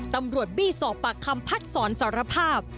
ตำรวจบีมิพ็าสอบปากคำพัดสอนสารภาพ